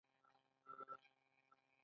خو د توکو ویش له یو بل شی سره تړلی دی.